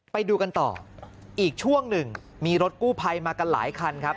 ไปดูกันต่ออีกช่วงหนึ่งมีรถกู้ภัยมากันหลายคันครับ